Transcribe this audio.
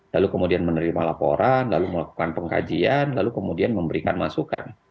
lalu kemudian menerima laporan lalu melakukan pengkajian lalu kemudian memberikan masukan